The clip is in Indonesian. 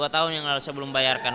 dua tahun yang lalu saya belum bayarkan